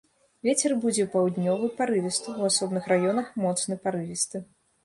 Вецер будзе паўднёвы парывісты, у асобных раёнах моцны парывісты.